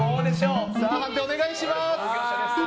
判定お願いします。